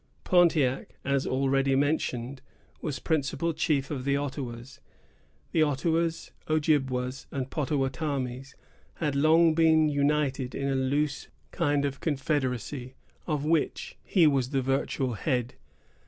Pontiac, as already mentioned, was principal chief of the Ottawas. The Ottawas, Ojibwas, and Pottawattamies, had long been united in a loose kind of confederacy, of which he was the virtual head.